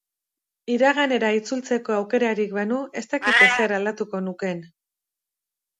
Iraganera itzultzeko aukerarik banu, ez dakit ezer aldatuko nukeen.